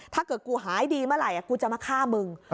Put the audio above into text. ถ้าเกิดกูหายดีเมื่อไหร่กูจะมาฆ่ามึง